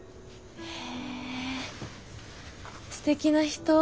へえすてきな人。